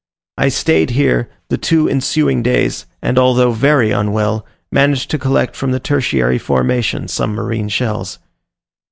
I stayed here the two ensuing days, and although very unwell, managed to collect from the tertiary formation some marine shells.